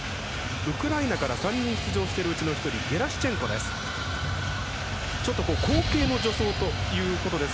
ウクライナから３人出場しているうちの１人ゲラシチェンコです。